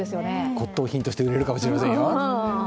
骨とう品として売れるかもしれませんよ。